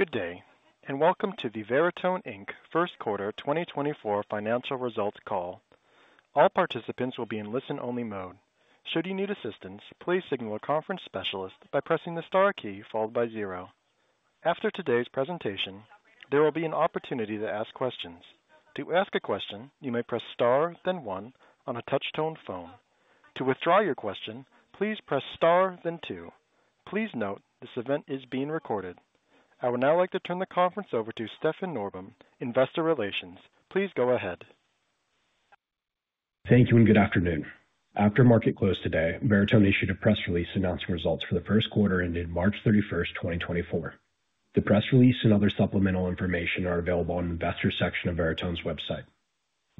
Good day and welcome to the Veritone, Inc first quarter 2024 financial results call. All participants will be in listen-only mode. Should you need assistance, please signal a conference specialist by pressing the star key followed by zero. After today's presentation, there will be an opportunity to ask questions. To ask a question, you may press star, then one, on a touch-tone phone. To withdraw your question, please press star, then. Please note this event is being recorded. I would now like to turn the conference over to Stefan Norbom, investor relations. Please go ahead. Thank you and good afternoon. After market close today, Veritone issued a press release announcing results for the first quarter ended March 31, 2024. The press release and other supplemental information are available on the investors section of Veritone's website.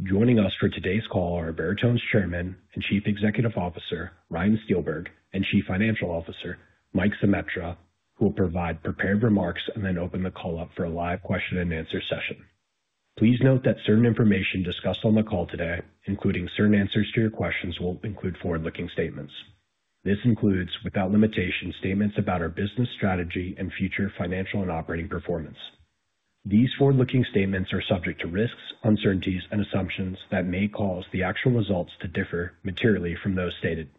Joining us for today's call are Veritone's Chairman and Chief Executive Officer Ryan Steelberg and Chief Financial Officer Mike Zemetra, who will provide prepared remarks and then open the call up for a live question-and-answer session. Please note that certain information discussed on the call today, including certain answers to your questions, won't include forward-looking statements. This includes, without limitation, statements about our business strategy and future financial and operating performance. These forward-looking statements are subject to risks, uncertainties, and assumptions that may cause the actual results to differ materially from those stated.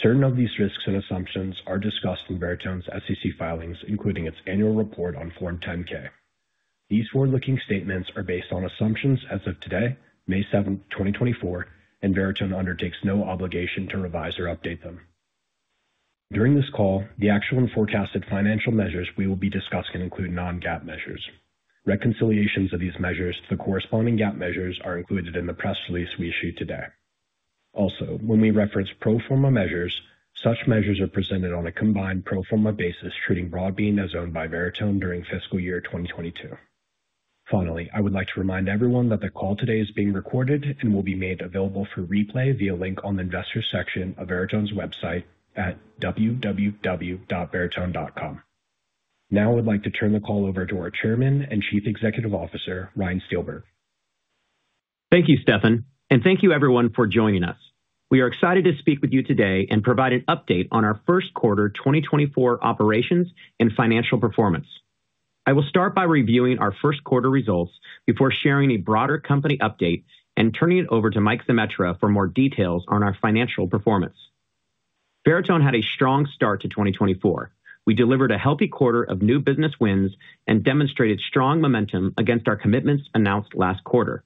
Certain of these risks and assumptions are discussed in Veritone's SEC filings, including its annual report on Form 10-K. These forward-looking statements are based on assumptions as of today, May 7, 2024, and Veritone undertakes no obligation to revise or update them. During this call, the actual and forecasted financial measures we will be discussing include non-GAAP measures. Reconciliations of these measures to the corresponding GAAP measures are included in the press release we issued today. Also, when we reference pro forma measures, such measures are presented on a combined pro forma basis treating Broadbean as owned by Veritone during fiscal year 2022. Finally, I would like to remind everyone that the call today is being recorded and will be made available for replay via link on the investors section of Veritone's website at www.veritone.com. Now I would like to turn the call over to our Chairman and Chief Executive Officer Ryan Steelberg. Thank you, Stefan, and thank you everyone for joining us. We are excited to speak with you today and provide an update on our first quarter 2024 operations and financial performance. I will start by reviewing our first quarter results before sharing a broader company update and turning it over to Mike Zemetra for more details on our financial performance. Veritone had a strong start to 2024. We delivered a healthy quarter of new business wins and demonstrated strong momentum against our commitments announced last quarter.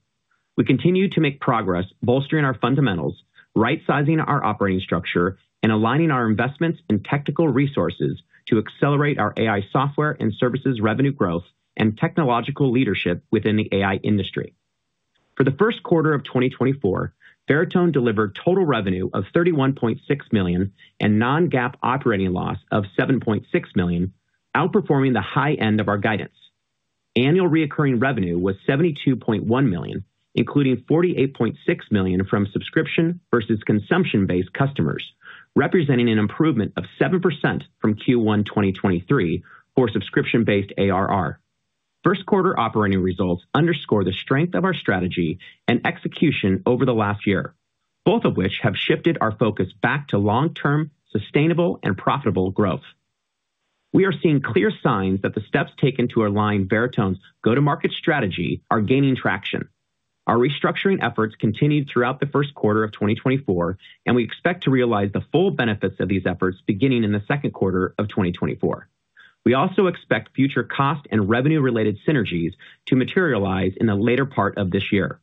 We continue to make progress bolstering our fundamentals, right-sizing our operating structure, and aligning our investments and technical resources to accelerate our AI software and services revenue growth and technological leadership within the AI industry. For the first quarter of 2024, Veritone delivered total revenue of $31.6 million and non-GAAP operating loss of $7.6 million, outperforming the high end of our guidance. Annual recurring revenue was $72.1 million, including $48.6 million from subscription versus consumption-based customers, representing an improvement of 7% from Q1 2023 for subscription-based ARR. First quarter operating results underscore the strength of our strategy and execution over the last year, both of which have shifted our focus back to long-term, sustainable, and profitable growth. We are seeing clear signs that the steps taken to align Veritone's go-to-market strategy are gaining traction. Our restructuring efforts continued throughout the first quarter of 2024, and we expect to realize the full benefits of these efforts beginning in the second quarter of 2024. We also expect future cost and revenue-related synergies to materialize in the later part of this year.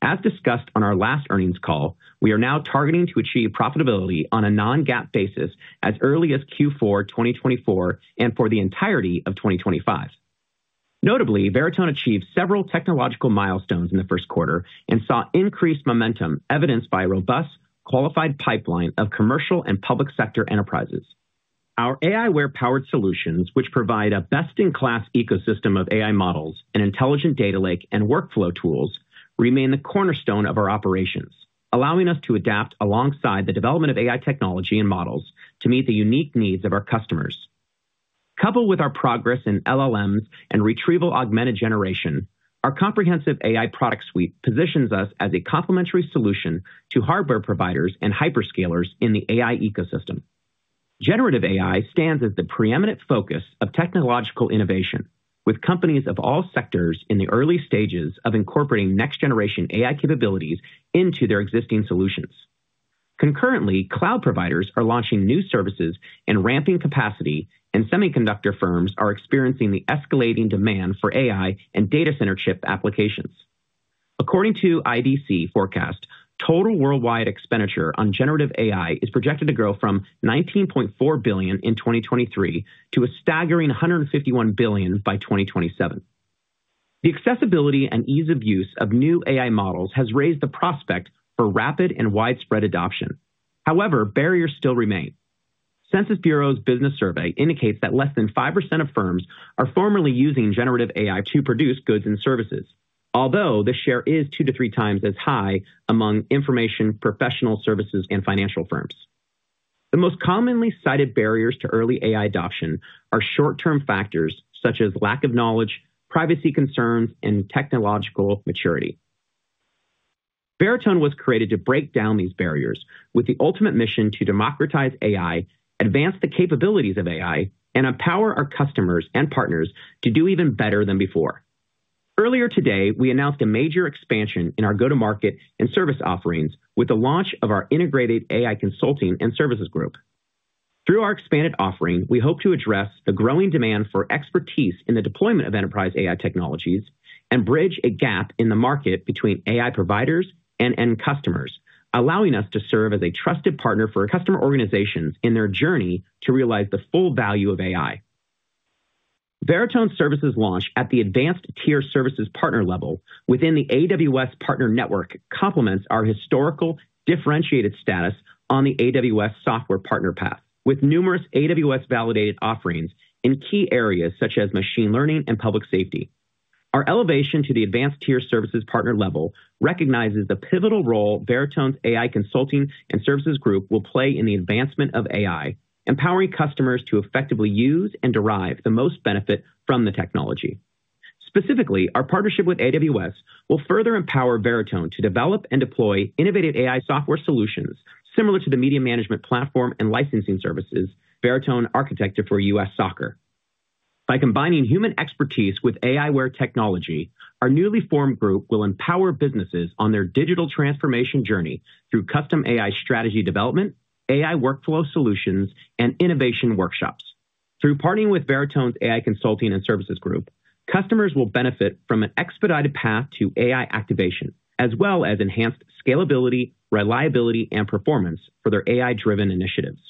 As discussed on our last earnings call, we are now targeting to achieve profitability on a non-GAAP basis as early as Q4 2024 and for the entirety of 2025. Notably, Veritone achieved several technological milestones in the first quarter and saw increased momentum evidenced by a robust, qualified pipeline of commercial and public sector enterprises. Our aiWARE powered solutions, which provide a best-in-class ecosystem of AI models, an intelligent data lake, and workflow tools, remain the cornerstone of our operations, allowing us to adapt alongside the development of AI technology and models to meet the unique needs of our customers. Coupled with our progress in LLMs and retrieval-augmented generation, our comprehensive AI product suite positions us as a complementary solution to hardware providers and hyperscalers in the AI ecosystem. Generative AI stands as the preeminent focus of technological innovation, with companies of all sectors in the early stages of incorporating next-generation AI capabilities into their existing solutions. Concurrently, cloud providers are launching new services and ramping capacity, and semiconductor firms are experiencing the escalating demand for AI and data center chip applications. According to IDC forecast, total worldwide expenditure on generative AI is projected to grow from $19.4 billion in 2023 to a staggering $151 billion by 2027. The accessibility and ease of use of new AI models has raised the prospect for rapid and widespread adoption. However, barriers still remain. Census Bureau's business survey indicates that less than 5% of firms are formerly using generative AI to produce goods and services, although the share is two to three times as high among information, professional services, and financial firms. The most commonly cited barriers to early AI adoption are short-term factors such as lack of knowledge, privacy concerns, and technological maturity. Veritone was created to break down these barriers with the ultimate mission to democratize AI, advance the capabilities of AI, and empower our customers and partners to do even better than before. Earlier today, we announced a major expansion in our go-to-market and service offerings with the launch of our integrated AI consulting and services group. Through our expanded offering, we hope to address the growing demand for expertise in the deployment of enterprise AI technologies and bridge a gap in the market between AI providers and end customers, allowing us to serve as a trusted partner for customer organizations in their journey to realize the full value of AI. Veritone's services launch at the advanced tier services partner level within the AWS partner network complements our historical differentiated status on the AWS software partner path, with numerous AWS-validated offerings in key areas such as machine learning and public safety. Our elevation to the advanced tier services partner level recognizes the pivotal role Veritone's AI consulting and services group will play in the advancement of AI, empowering customers to effectively use and derive the most benefit from the technology. Specifically, our partnership with AWS will further empower Veritone to develop and deploy innovative AI software solutions similar to the media management platform and licensing services Veritone architected for U.S. Soccer. By combining human expertise with aiWARE technology, our newly formed group will empower businesses on their digital transformation journey through custom AI strategy development, AI workflow solutions, and innovation workshops. Through partnering with Veritone's AI consulting and services group, customers will benefit from an expedited path to AI activation as well as enhanced scalability, reliability, and performance for their AI-driven initiatives.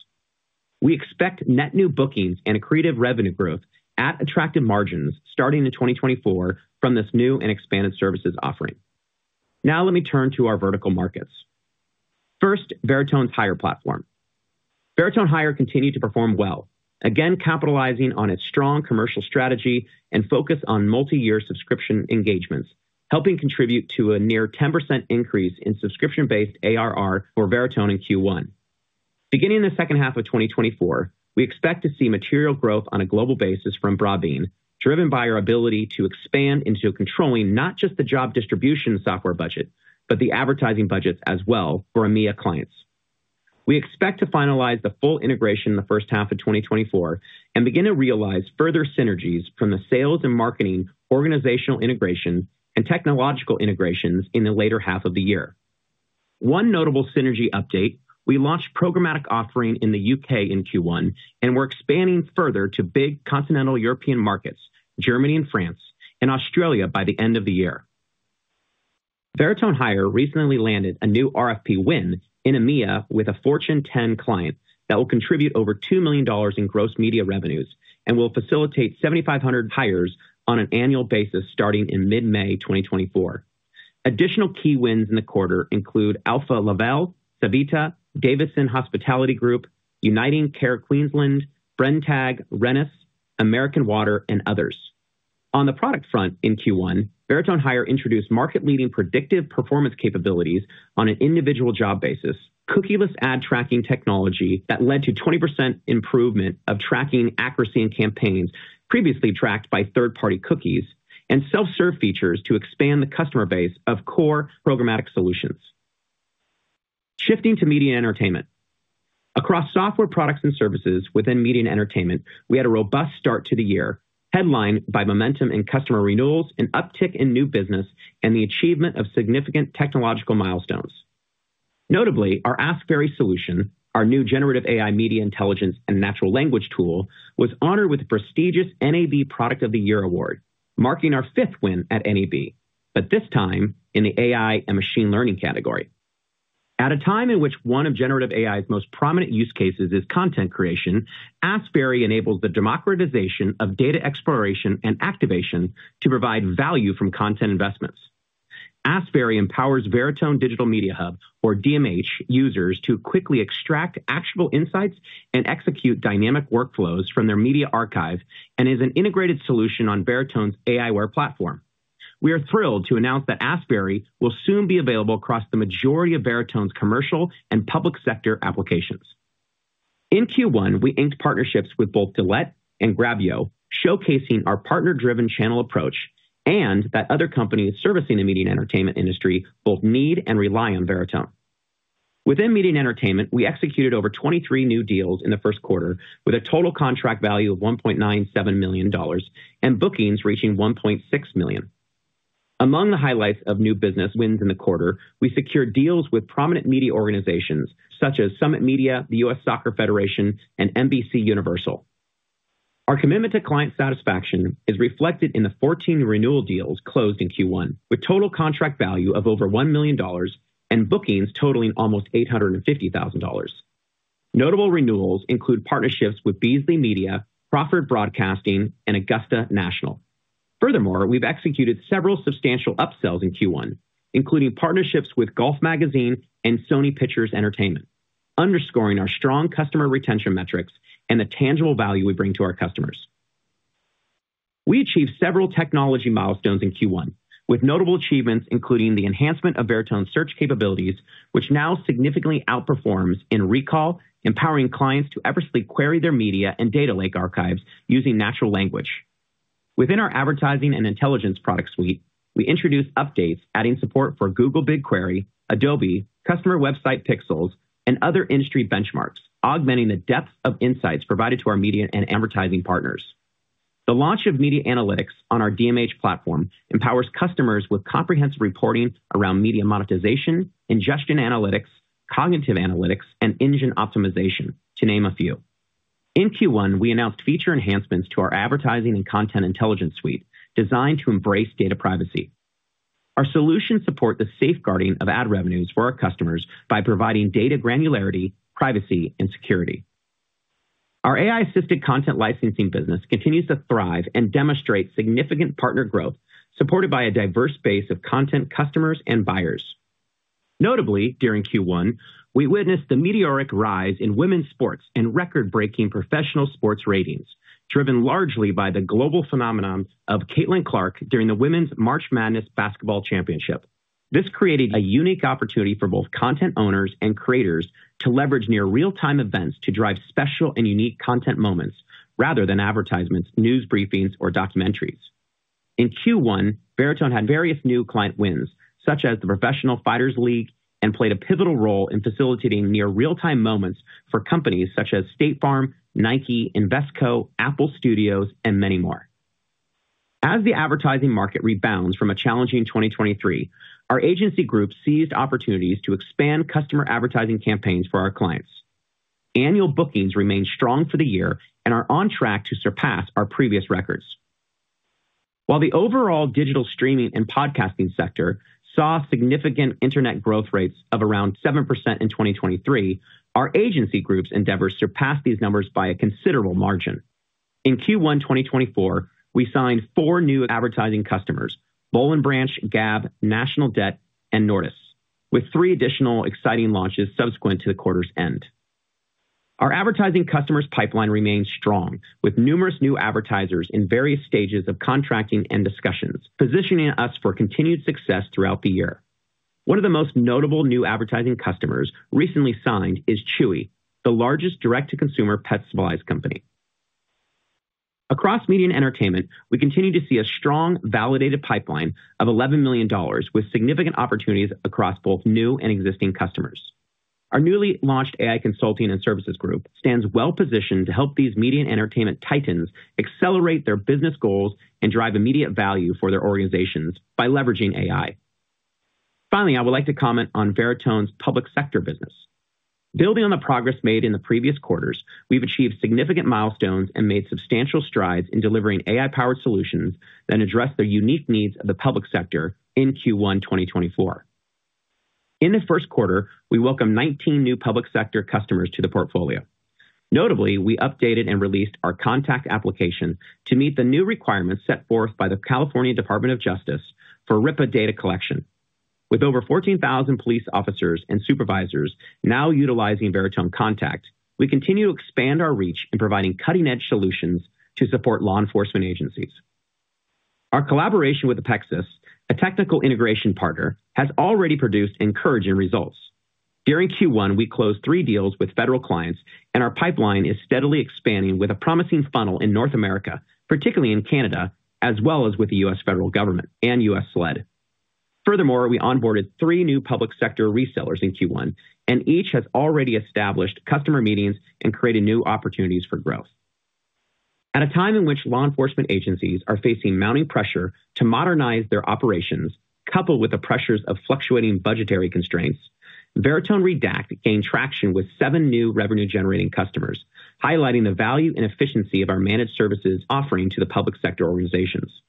We expect net new bookings and a creative revenue growth at attractive margins starting in 2024 from this new and expanded services offering. Now let me turn to our vertical markets. First, Veritone Hire platform. Veritone Hire continued to perform well, again capitalizing on its strong commercial strategy and focus on multi-year subscription engagements, helping contribute to a near 10% increase in subscription-based ARR for Veritone in Q1. Beginning the second half of 2024, we expect to see material growth on a global basis from Broadbean, driven by our ability to expand into controlling not just the job distribution software budget but the advertising budgets as well for EMEA clients. We expect to finalize the full integration in the first half of 2024 and begin to realize further synergies from the sales and marketing, organizational integration, and technological integrations in the later half of the year. One notable synergy update: we launched programmatic offering in the U.K. in Q1 and we're expanding further to big continental European markets, Germany and France, and Australia by the end of the year. Veritone Hire recently landed a new RFP win in EMEA with a Fortune 10 client that will contribute over $2 million in gross media revenues and will facilitate 7,500 hires on an annual basis starting in mid-May 2024. Additional key wins in the quarter include Alfa Laval, Savista, Davidson Hospitality Group, UnitingCare Queensland, Brenntag, Rennis, American Water, and others. On the product front in Q1, Veritone Hire introduced market-leading predictive performance capabilities on an individual job basis, cookieless ad tracking technology that led to 20% improvement of tracking accuracy in campaigns previously tracked by third-party cookies, and self-serve features to expand the customer base of core programmatic solutions. Shifting to media and entertainment. Across software products and services within media and entertainment, we had a robust start to the year, headlined by momentum in customer renewals, an uptick in new business, and the achievement of significant technological milestones. Notably, our Ask Veri solution, our new generative AI media intelligence and natural language tool, was honored with the prestigious NAB Product of the Year award, marking our fifth win at NAB, but this time in the AI and machine learning category. At a time in which one of generative AI's most prominent use cases is content creation, Ask Veri enables the democratization of data exploration and activation to provide value from content investments. Ask Veri empowers Veritone Digital Media Hub, or DMH, users to quickly extract actionable insights and execute dynamic workflows from their media archive and is an integrated solution on Veritone's aiWARE platform. We are thrilled to announce that Ask Veri will soon be available across the majority of Veritone's commercial and public sector applications. In Q1, we inked partnerships with both Gillette and Grabyo, showcasing our partner-driven channel approach and that other companies servicing the media and entertainment industry both need and rely on Veritone. Within media and entertainment, we executed over 23 new deals in the first quarter with a total contract value of $1.97 million and bookings reaching $1.6 million. Among the highlights of new business wins in the quarter, we secured deals with prominent media organizations such as Summit Media, the U.S. Soccer Federation, and NBCUniversal. Our commitment to client satisfaction is reflected in the 14 renewal deals closed in Q1 with total contract value of over $1 million and bookings totaling almost $850,000. Notable renewals include partnerships with Beasley Media, Crawford Broadcasting, and Augusta National. Furthermore, we've executed several substantial upsells in Q1, including partnerships with Golf Magazine and Sony Pictures Entertainment, underscoring our strong customer retention metrics and the tangible value we bring to our customers. We achieved several technology milestones in Q1, with notable achievements including the enhancement of Veritone's search capabilities, which now significantly outperforms in recall, empowering clients to effortlessly query their media and data lake archives using natural language. Within our advertising and intelligence product suite, we introduced updates adding support for Google BigQuery, Adobe, customer website pixels, and other industry benchmarks, augmenting the depth of insights provided to our media and advertising partners. The launch of media analytics on our DMH platform empowers customers with comprehensive reporting around media monetization, ingestion analytics, cognitive analytics, and engine optimization, to name a few. In Q1, we announced feature enhancements to our advertising and content intelligence suite designed to embrace data privacy. Our solutions support the safeguarding of ad revenues for our customers by providing data granularity, privacy, and security. Our AI-assisted content licensing business continues to thrive and demonstrate significant partner growth supported by a diverse base of content customers and buyers. Notably, during Q1, we witnessed the meteoric rise in women's sports and record-breaking professional sports ratings, driven largely by the global phenomenon of Caitlin Clark during the women's March Madness basketball championship. This created a unique opportunity for both content owners and creators to leverage near-real-time events to drive special and unique content moments rather than advertisements, news briefings, or documentaries. In Q1, Veritone had various new client wins such as the Professional Fighters League and played a pivotal role in facilitating near-real-time moments for companies such as State Farm, Nike, Invesco, Apple Studios, and many more. As the advertising market rebounds from a challenging 2023, our agency group seized opportunities to expand customer advertising campaigns for our clients. Annual bookings remained strong for the year and are on track to surpass our previous records. While the overall digital streaming and podcasting sector saw significant internet growth rates of around 7% in 2023, our agency group's endeavors surpassed these numbers by a considerable margin. In Q1 2024, we signed four new advertising customers: Boll & Branch, Gabb, National Debt Relief, and Nordis, with three additional exciting launches subsequent to the quarter's end. Our advertising customers' pipeline remains strong, with numerous new advertisers in various stages of contracting and discussions, positioning us for continued success throughout the year. One of the most notable new advertising customers recently signed is Chewy, the largest direct-to-consumer pet supplies company. Across media and entertainment, we continue to see a strong, validated pipeline of $11 million with significant opportunities across both new and existing customers. Our newly launched AI consulting and services group stands well positioned to help these media and entertainment titans accelerate their business goals and drive immediate value for their organizations by leveraging AI. Finally, I would like to comment on Veritone's public sector business. Building on the progress made in the previous quarters, we've achieved significant milestones and made substantial strides in delivering AI-powered solutions that address their unique needs of the public sector in Q1 2024. In the first quarter, we welcomed 19 new public sector customers to the portfolio. Notably, we updated and released our contact applications to meet the new requirements set forth by the California Department of Justice for RIPA data collection. With over 14,000 police officers and supervisors now utilizing Veritone Contact, we continue to expand our reach in providing cutting-edge solutions to support law enforcement agencies. Our collaboration with Picis, a technical integration partner, has already produced encouraging results. During Q1, we closed three deals with federal clients, and our pipeline is steadily expanding with a promising funnel in North America, particularly in Canada, as well as with the U.S. federal government and U.S. SLED. Furthermore, we onboarded three new public sector resellers in Q1, and each has already established customer meetings and created new opportunities for growth. At a time in which law enforcement agencies are facing mounting pressure to modernize their operations, coupled with the pressures of fluctuating budgetary constraints, Veritone Redact gained traction with seven new revenue-generating customers, highlighting the value and efficiency of our managed services offering to the public sector organizations.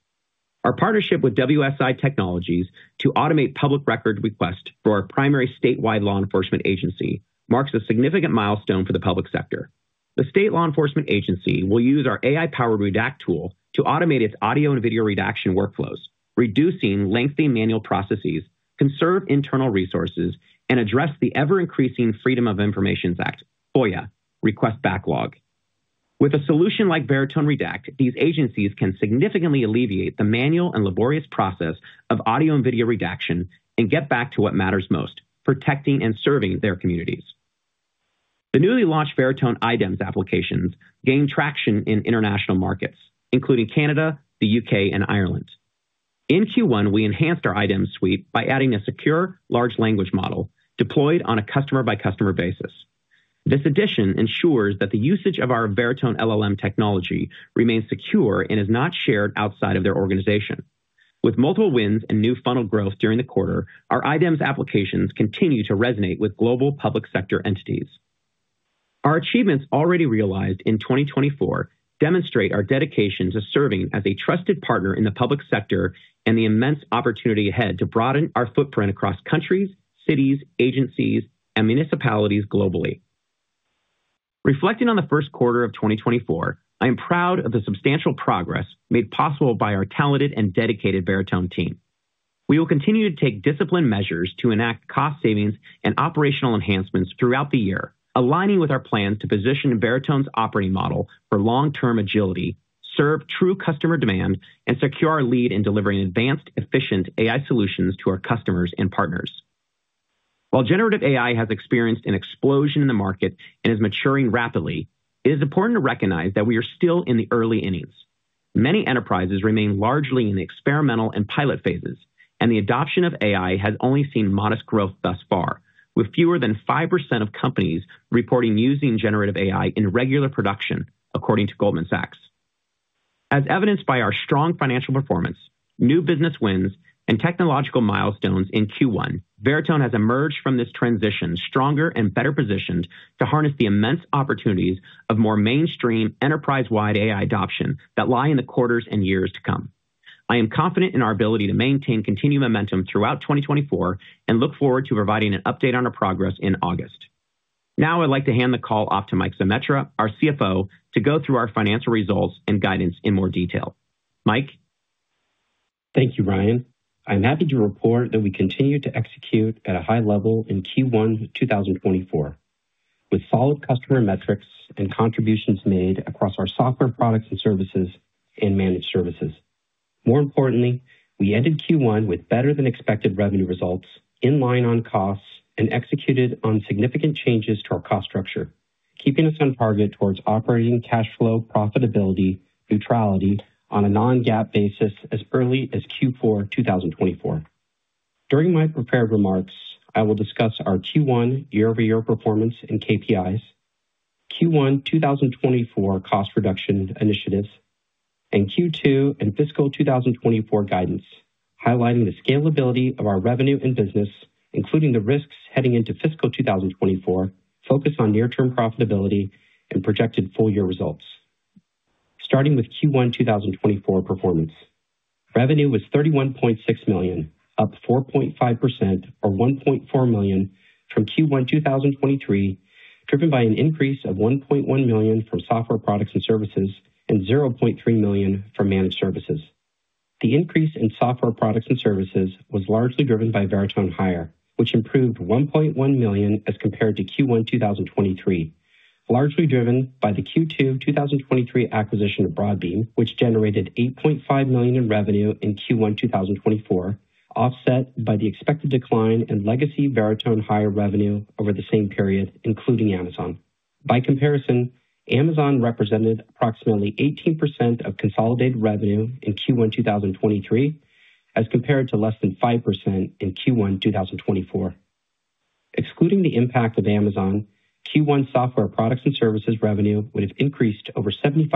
Our partnership with WSI Technologies to automate public record requests for our primary statewide law enforcement agency marks a significant milestone for the public sector. The state law enforcement agency will use our AI-powered Redact tool to automate its audio and video redaction workflows, reducing lengthy manual processes, conserve internal resources, and address the ever-increasing Freedom of Information Act (FOIA) request backlog. With a solution like Veritone Redact, these agencies can significantly alleviate the manual and laborious process of audio and video redaction and get back to what matters most: protecting and serving their communities. The newly launched Veritone iDEMS applications gained traction in international markets, including Canada, the UK, and Ireland. In Q1, we enhanced our iDEMS suite by adding a secure large language model deployed on a customer-by-customer basis. This addition ensures that the usage of our Veritone LLM technology remains secure and is not shared outside of their organization. With multiple wins and new funnel growth during the quarter, our iDEMS applications continue to resonate with global public sector entities. Our achievements already realized in 2024 demonstrate our dedication to serving as a trusted partner in the public sector and the immense opportunity ahead to broaden our footprint across countries, cities, agencies, and municipalities globally. Reflecting on the first quarter of 2024, I am proud of the substantial progress made possible by our talented and dedicated Veritone team. We will continue to take disciplined measures to enact cost savings and operational enhancements throughout the year, aligning with our plans to position Veritone's operating model for long-term agility, serve true customer demand, and secure our lead in delivering advanced, efficient AI solutions to our customers and partners. While generative AI has experienced an explosion in the market and is maturing rapidly, it is important to recognize that we are still in the early innings. Many enterprises remain largely in the experimental and pilot phases, and the adoption of AI has only seen modest growth thus far, with fewer than 5% of companies reporting using generative AI in regular production, according to Goldman Sachs. As evidenced by our strong financial performance, new business wins, and technological milestones in Q1, Veritone has emerged from this transition stronger and better positioned to harness the immense opportunities of more mainstream enterprise-wide AI adoption that lie in the quarters and years to come. I am confident in our ability to maintain continued momentum throughout 2024 and look forward to providing an update on our progress in August. Now, I'd like to hand the call off to Mike Zemetra, our CFO, to go through our financial results and guidance in more detail. Mike. Thank you, Ryan. I'm happy to report that we continue to execute at a high level in Q1 2024, with solid customer metrics and contributions made across our software products and services and managed services. More importantly, we ended Q1 with better-than-expected revenue results in line on costs and executed on significant changes to our cost structure, keeping us on target towards operating cash flow, profitability, neutrality on a Non-GAAP basis as early as Q4 2024. During my prepared remarks, I will discuss our Q1 year-over-year performance and KPIs, Q1 2024 cost reduction initiatives, and Q2 and fiscal 2024 guidance, highlighting the scalability of our revenue and business, including the risks heading into fiscal 2024 focused on near-term profitability and projected full-year results. Starting with Q1 2024 performance. Revenue was $31.6 million, up 4.5% or $1.4 million from Q1 2023, driven by an increase of $1.1 million from software products and services and $0.3 million from managed services. The increase in software products and services was largely driven by Veritone Hire, which improved $1.1 million as compared to Q1 2023, largely driven by the Q2 2023 acquisition of Broadbean, which generated $8.5 million in revenue in Q1 2024, offset by the expected decline in legacy Veritone Hire revenue over the same period, including Amazon. By comparison, Amazon represented approximately 18% of consolidated revenue in Q1 2023 as compared to less than 5% in Q1 2024. Excluding the impact of Amazon, Q1 software products and services revenue would have increased over 75%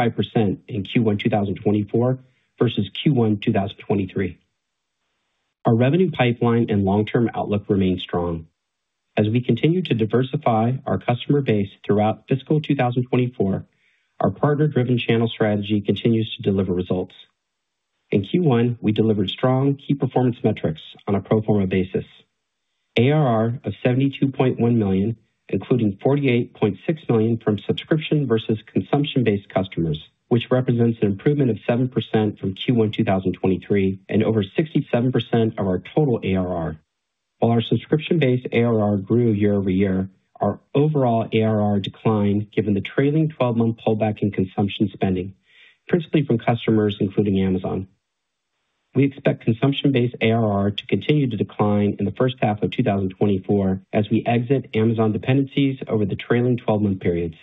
in Q1 2024 versus Q1 2023. Our revenue pipeline and long-term outlook remain strong. As we continue to diversify our customer base throughout fiscal 2024, our partner-driven channel strategy continues to deliver results. In Q1, we delivered strong key performance metrics on a pro forma basis: ARR of $72.1 million, including $48.6 million from subscription versus consumption-based customers, which represents an improvement of 7% from Q1 2023 and over 67% of our total ARR. While our subscription-based ARR grew year-over-year, our overall ARR declined given the trailing 12-month pullback in consumption spending, principally from customers including Amazon. We expect consumption-based ARR to continue to decline in the first half of 2024 as we exit Amazon dependencies over the trailing 12-month periods.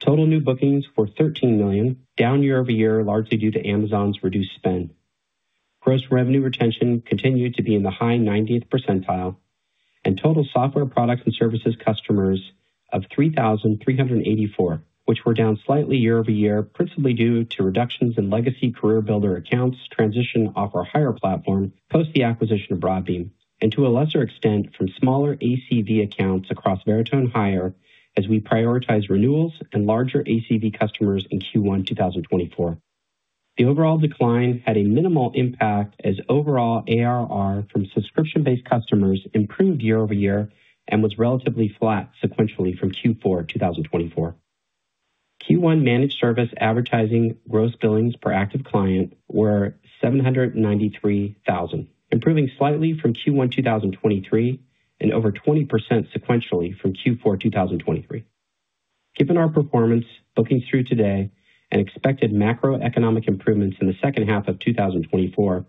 Total new bookings were $13 million, down year-over-year largely due to Amazon's reduced spend. Gross revenue retention continued to be in the high 90th percentile, and total software products and services customers of 3,384, which were down slightly year-over-year principally due to reductions in legacy CareerBuilder accounts transitioned off our Hire platform post the acquisition of Broadbean, and to a lesser extent from smaller ACV accounts across Veritone Hire as we prioritized renewals and larger ACV customers in Q1 2024. The overall decline had a minimal impact as overall ARR from subscription-based customers improved year-over-year and was relatively flat sequentially from Q4 2024. Q1 managed service advertising gross billings per active client were $793,000, improving slightly from Q1 2023 and over 20% sequentially from Q4 2023. Given our performance, bookings through today, and expected macroeconomic improvements in the second half of 2024,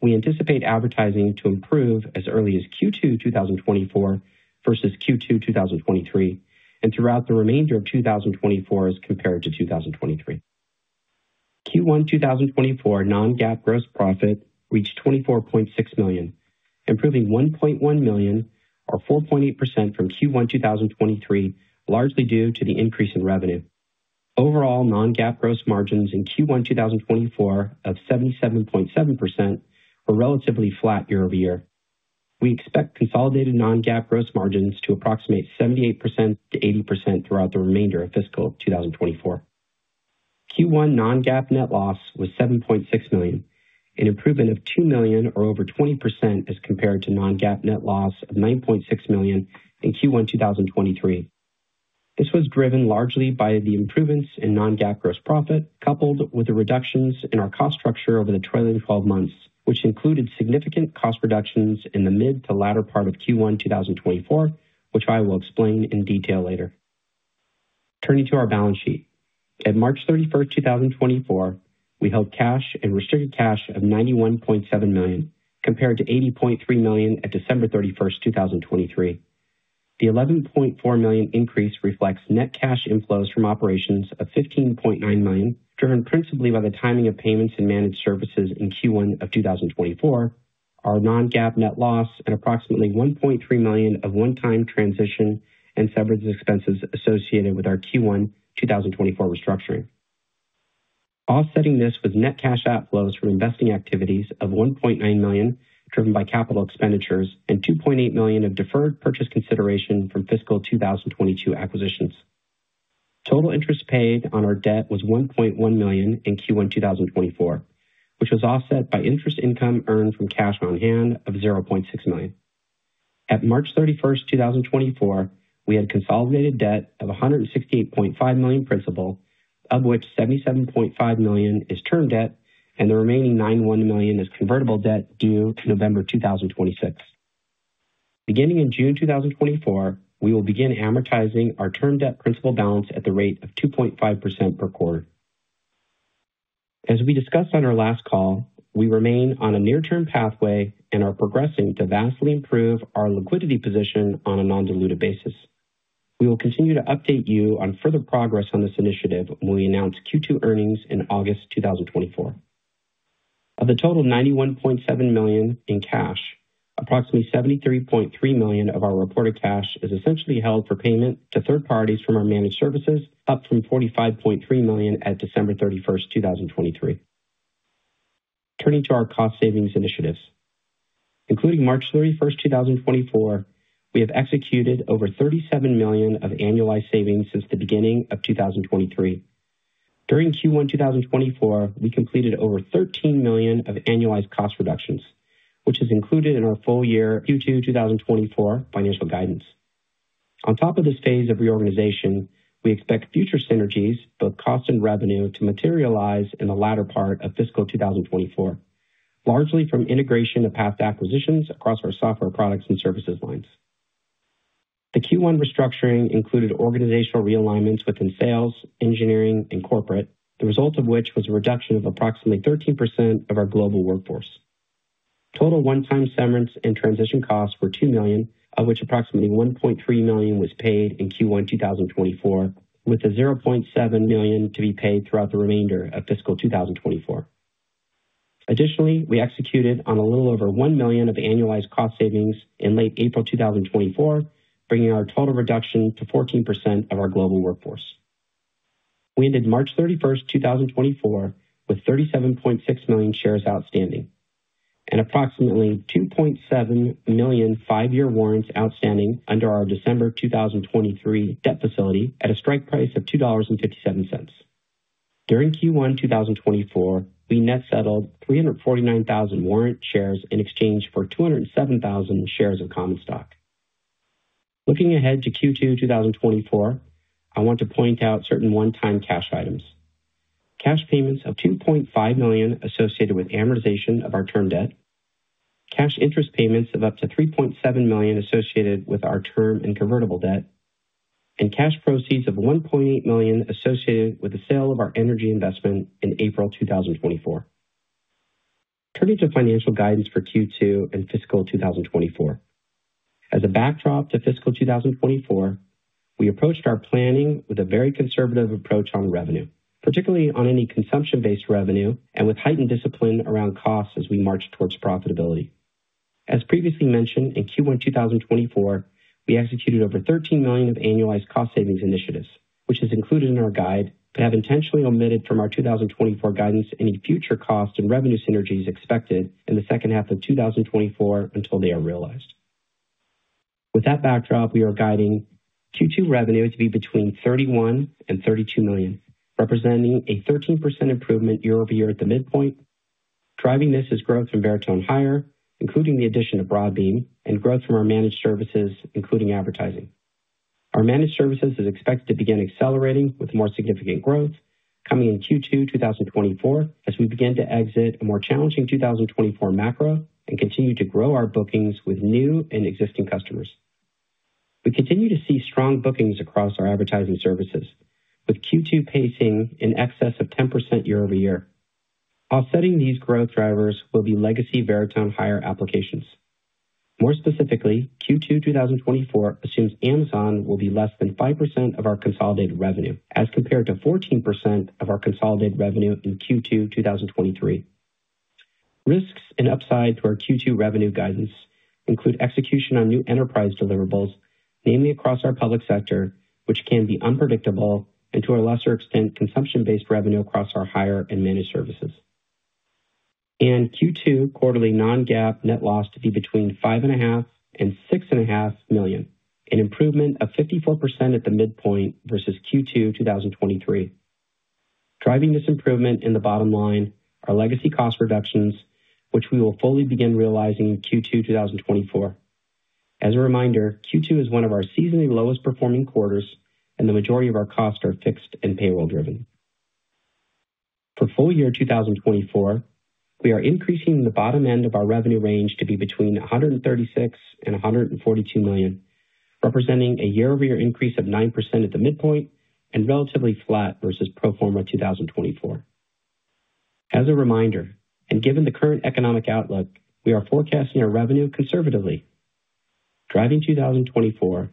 we anticipate advertising to improve as early as Q2 2024 versus Q2 2023 and throughout the remainder of 2024 as compared to 2023. Q1 2024 non-GAAP gross profit reached $24.6 million, improving $1.1 million or 4.8% from Q1 2023 largely due to the increase in revenue. Overall non-GAAP gross margins in Q1 2024 of 77.7% were relatively flat year-over-year. We expect consolidated non-GAAP gross margins to approximate 78%-80% throughout the remainder of fiscal 2024. Q1 non-GAAP net loss was $7.6 million, an improvement of $2 million or over 20% as compared to non-GAAP net loss of $9.6 million in Q1 2023. This was driven largely by the improvements in non-GAAP gross profit coupled with the reductions in our cost structure over the trailing 12 months, which included significant cost reductions in the mid to latter part of Q1 2024, which I will explain in detail later. Turning to our balance sheet. At March 31, 2024, we held cash and restricted cash of $91.7 million compared to $80.3 million at December 31, 2023. The $11.4 million increase reflects net cash inflows from operations of $15.9 million driven principally by the timing of payments and managed services in Q1 of 2024, our non-GAAP net loss, and approximately $1.3 million of one-time transition and severance expenses associated with our Q1 2024 restructuring. Offsetting this was net cash outflows from investing activities of $1.9 million driven by capital expenditures and $2.8 million of deferred purchase consideration from fiscal 2022 acquisitions. Total interest paid on our debt was $1.1 million in Q1 2024, which was offset by interest income earned from cash on hand of $0.6 million. At March 31, 2024, we had consolidated debt of $168.5 million principal, of which $77.5 million is term debt, and the remaining $91 million is convertible debt due November 2026. Beginning in June 2024, we will begin amortizing our term debt principal balance at the rate of 2.5% per quarter. As we discussed on our last call, we remain on a near-term pathway and are progressing to vastly improve our liquidity position on a non-dilutive basis. We will continue to update you on further progress on this initiative when we announce Q2 earnings in August 2024. Of the total $91.7 million in cash, approximately $73.3 million of our reported cash is essentially held for payment to third parties from our managed services, up from $45.3 million at December 31, 2023. Turning to our cost savings initiatives. Including March 31, 2024, we have executed over $37 million of annualized savings since the beginning of 2023. During Q1 2024, we completed over $13 million of annualized cost reductions, which is included in our full-year Q2 2024 financial guidance. On top of this phase of reorganization, we expect future synergies, both cost and revenue, to materialize in the latter part of fiscal 2024, largely from integration of past acquisitions across our software products and services lines. The Q1 restructuring included organizational realignments within sales, engineering, and corporate, the result of which was a reduction of approximately 13% of our global workforce. Total one-time severance and transition costs were $2 million, of which approximately $1.3 million was paid in Q1 2024, with a $0.7 million to be paid throughout the remainder of fiscal 2024. Additionally, we executed on a little over $1 million of annualized cost savings in late April 2024, bringing our total reduction to 14% of our global workforce. We ended March 31, 2024, with 37.6 million shares outstanding and approximately 2.7 million five-year warrants outstanding under our December 2023 debt facility at a strike price of $2.57. During Q1 2024, we net settled 349,000 warrant shares in exchange for 207,000 shares of common stock. Looking ahead to Q2 2024, I want to point out certain one-time cash items: cash payments of $2.5 million associated with amortization of our term debt, cash interest payments of up to $3.7 million associated with our term and convertible debt, and cash proceeds of $1.8 million associated with the sale of our energy investment in April 2024. Turning to financial guidance for Q2 and fiscal 2024. As a backdrop to fiscal 2024, we approached our planning with a very conservative approach on revenue, particularly on any consumption-based revenue, and with heightened discipline around costs as we marched towards profitability. As previously mentioned, in Q1 2024, we executed over $13 million of annualized cost savings initiatives, which is included in our guide, but have intentionally omitted from our 2024 guidance any future cost and revenue synergies expected in the second half of 2024 until they are realized. With that backdrop, we are guiding Q2 revenue to be between $31 and $32 million, representing a 13% improvement year-over-year at the midpoint. Driving this is growth from Veritone Hire, including the addition of Broadbean, and growth from our managed services, including advertising. Our managed services is expected to begin accelerating with more significant growth coming in Q2 2024 as we begin to exit a more challenging 2024 macro and continue to grow our bookings with new and existing customers. We continue to see strong bookings across our advertising services, with Q2 pacing in excess of 10% year-over-year. Offsetting these growth drivers will be legacy Veritone Hire applications. More specifically, Q2 2024 assumes Amazon will be less than 5% of our consolidated revenue as compared to 14% of our consolidated revenue in Q2 2023. Risks and upside to our Q2 revenue guidance include execution on new enterprise deliverables, namely across our public sector, which can be unpredictable, and to a lesser extent, consumption-based revenue across our hire and managed services. Q2 quarterly non-GAAP net loss to be between $5.5 million-$6.5 million, an improvement of 54% at the midpoint versus Q2 2023. Driving this improvement in the bottom line are legacy cost reductions, which we will fully begin realizing in Q2 2024. As a reminder, Q2 is one of our seasonally lowest performing quarters, and the majority of our costs are fixed and payroll-driven. For full-year 2024, we are increasing the bottom end of our revenue range to be between $136 million-$142 million, representing a year-over-year increase of 9% at the midpoint and relatively flat versus pro forma 2024. As a reminder, and given the current economic outlook, we are forecasting our revenue conservatively. Driving 2024,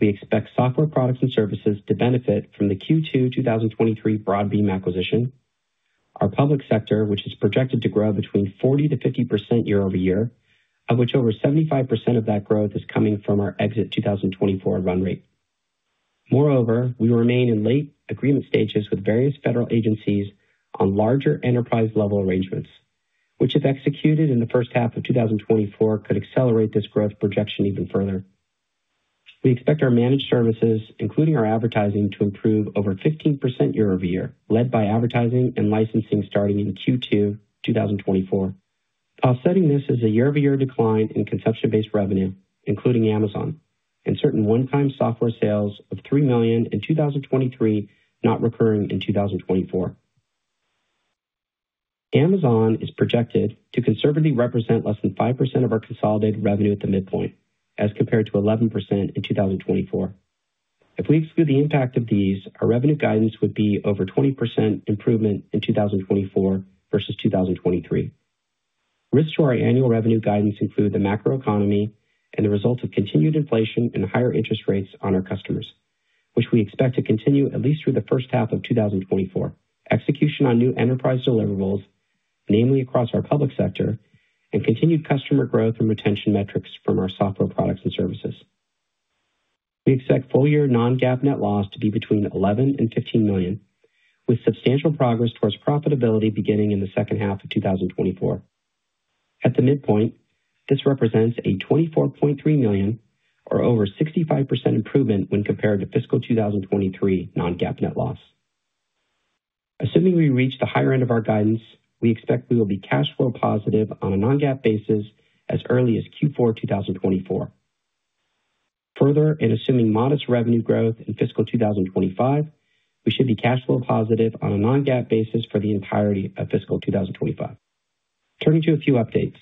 we expect software products and services to benefit from the Q2 2023 Broadbean acquisition, our public sector, which is projected to grow between 40%-50% year-over-year, of which over 75% of that growth is coming from our exit 2024 run rate. Moreover, we remain in late agreement stages with various federal agencies on larger enterprise-level arrangements, which if executed in the first half of 2024 could accelerate this growth projection even further. We expect our managed services, including our advertising, to improve over 15% year-over-year, led by advertising and licensing starting in Q2 2024. Offsetting this is a year-over-year decline in consumption-based revenue, including Amazon, and certain one-time software sales of $3 million in 2023 not recurring in 2024. Amazon is projected to conservatively represent less than 5% of our consolidated revenue at the midpoint as compared to 11% in 2024. If we exclude the impact of these, our revenue guidance would be over 20% improvement in 2024 versus 2023. Risks to our annual revenue guidance include the macroeconomy and the results of continued inflation and higher interest rates on our customers, which we expect to continue at least through the first half of 2024, execution on new enterprise deliverables, namely across our public sector, and continued customer growth and retention metrics from our software products and services. We expect full-year non-GAAP net loss to be between $11 and $15 million, with substantial progress towards profitability beginning in the second half of 2024. At the midpoint, this represents a $24.3 million or over 65% improvement when compared to fiscal 2023 non-GAAP net loss. Assuming we reach the higher end of our guidance, we expect we will be cash flow positive on a non-GAAP basis as early as Q4 2024. Further, in assuming modest revenue growth in fiscal 2025, we should be cash flow positive on a non-GAAP basis for the entirety of fiscal 2025. Turning to a few updates.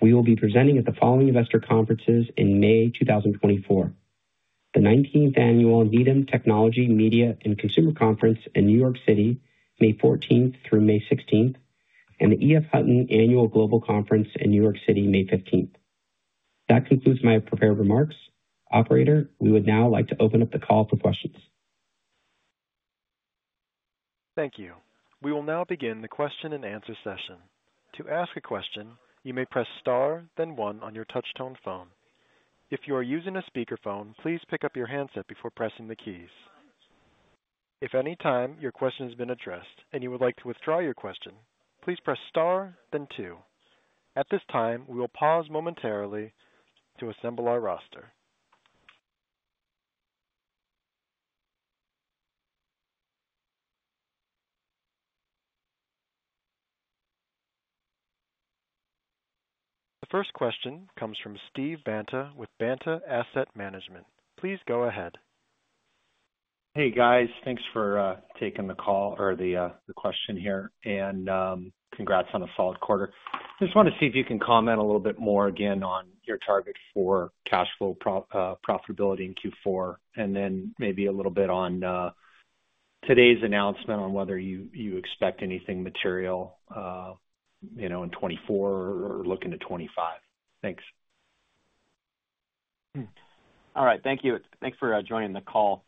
We will be presenting at the following investor conferences in May 2024: the 19th Annual Needham Technology, Media, and Consumer Conference in New York City, May 14 through May 16, and the E.F. Hutton Annual Global Conference in New York City, May 15. That concludes my prepared remarks. Operator, we would now like to open up the call for questions. Thank you. We will now begin the question and answer session. To ask a question, you may press star, then one on your touch-tone phone. If you are using a speakerphone, please pick up your handset before pressing the keys. If at any time your question has been addressed and you would like to withdraw your question, please press star, then two. At this time, we will pause momentarily to assemble our roster. The first question comes from Steve Banta with Banta Asset Management. Please go ahead. Hey, guys. Thanks for taking the call or the question here, and congrats on a solid quarter. I just want to see if you can comment a little bit more again on your target for cash flow profitability in Q4 and then maybe a little bit on today's announcement on whether you expect anything material in 2024 or looking to 2025. Thanks. All right. Thank you. Thanks for joining the call.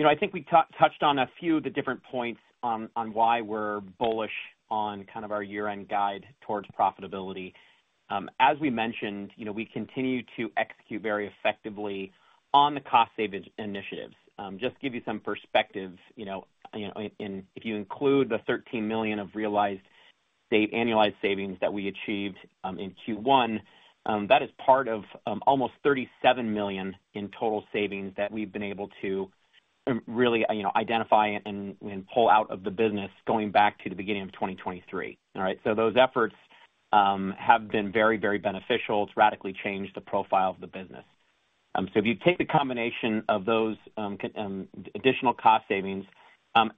I think we touched on a few of the different points on why we're bullish on kind of our year-end guide towards profitability. As we mentioned, we continue to execute very effectively on the cost savings initiatives. Just to give you some perspective, if you include the $13 million of realized state annualized savings that we achieved in Q1, that is part of almost $37 million in total savings that we've been able to really identify and pull out of the business going back to the beginning of 2023. All right? So those efforts have been very, very beneficial. It's radically changed the profile of the business. So if you take the combination of those additional cost savings,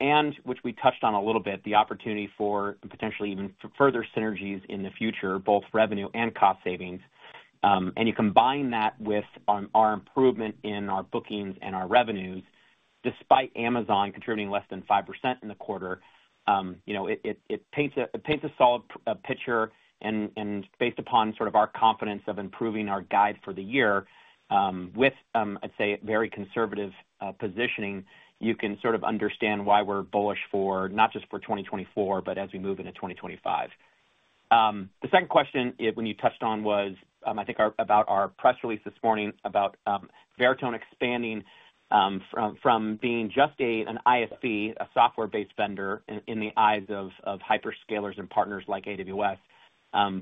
and which we touched on a little bit, the opportunity for potentially even further synergies in the future, both revenue and cost savings, and you combine that with our improvement in our bookings and our revenues, despite Amazon contributing less than 5% in the quarter, it paints a solid picture. And based upon sort of our confidence of improving our guide for the year, with, I'd say, very conservative positioning, you can sort of understand why we're bullish not just for 2024, but as we move into 2025. The second question when you touched on was, I think, about our press release this morning about Veritone expanding from being just an ISP, a software-based vendor in the eyes of hyperscalers and partners like AWS,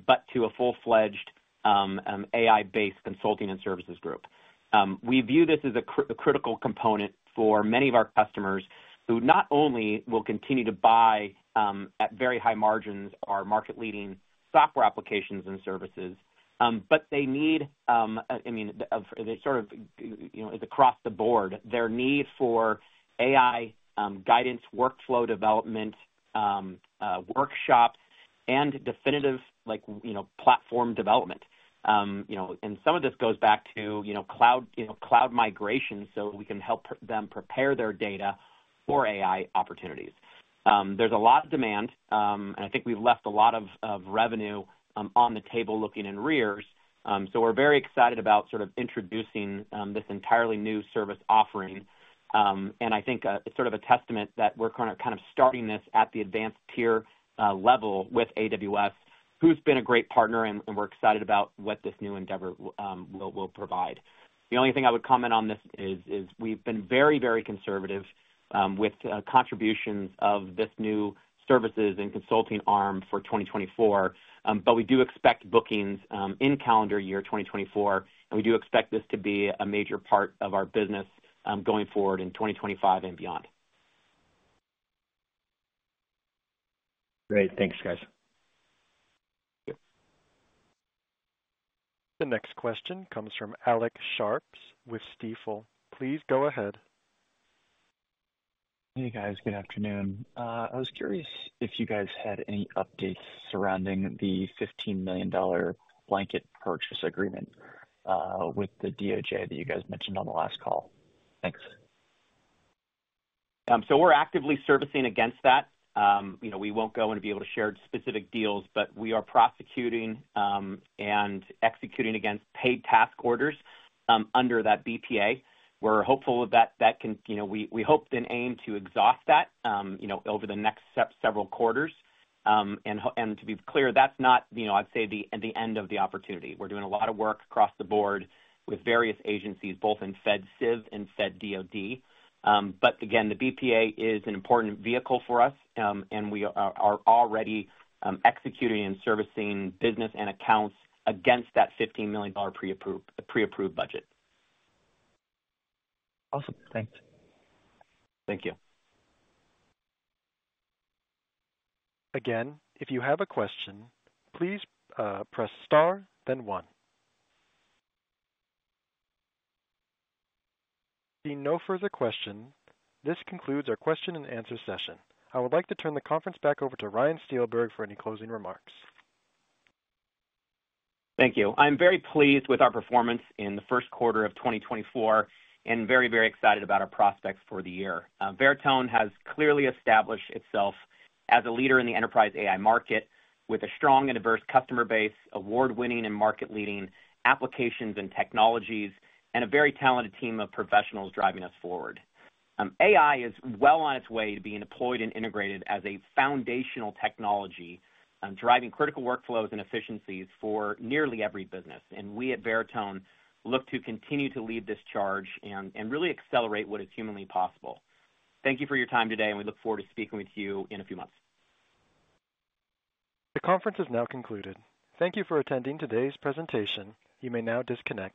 but to a full-fledged AI-based consulting and services group. We view this as a critical component for many of our customers who not only will continue to buy at very high margins our market-leading software applications and services, but they need, I mean, sort of it's across the board. Their need for AI guidance, workflow development, workshops, and definitive platform development. And some of this goes back to cloud migration so we can help them prepare their data for AI opportunities. There's a lot of demand, and I think we've left a lot of revenue on the table looking in rears. So we're very excited about sort of introducing this entirely new service offering. And I think it's sort of a testament that we're kind of starting this at the advanced tier level with AWS, who's been a great partner, and we're excited about what this new endeavor will provide. The only thing I would comment on this is we've been very, very conservative with contributions of this new services and consulting arm for 2024. But we do expect bookings in calendar year 2024, and we do expect this to be a major part of our business going forward in 2025 and beyond. Great. Thanks, guys. Thank you. The next question comes from Alec Sharps with Stifel. Please go ahead. Hey, guys. Good afternoon. I was curious if you guys had any updates surrounding the $15 million blanket purchase agreement with the DOJ that you guys mentioned on the last call. Thanks. So we're actively servicing against that. We won't go and be able to share specific deals, but we are prosecuting and executing against paid task orders under that BPA. We're hopeful that we hope and aim to exhaust that over the next several quarters. And to be clear, that's not, I'd say, the end of the opportunity. We're doing a lot of work across the board with various agencies, both in Fed CIV and Fed DOD. But again, the BPA is an important vehicle for us, and we are already executing and servicing business and accounts against that $15 million pre-approved budget. Awesome. Thanks. Thank you. Again, if you have a question, please press star, then one. Seeing no further questions, this concludes our question and answer session. I would like to turn the conference back over to Ryan Steelberg for any closing remarks. Thank you. I'm very pleased with our performance in the first quarter of 2024 and very, very excited about our prospects for the year. Veritone has clearly established itself as a leader in the enterprise AI market with a strong and diverse customer base, award-winning and market-leading applications and technologies, and a very talented team of professionals driving us forward. AI is well on its way to being deployed and integrated as a foundational technology, driving critical workflows and efficiencies for nearly every business. We at Veritone look to continue to lead this charge and really accelerate what is humanly possible. Thank you for your time today, and we look forward to speaking with you in a few months. The conference has now concluded. Thank you for attending today's presentation. You may now disconnect.